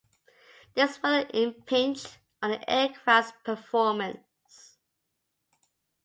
This further impinged on the aircraft's performance.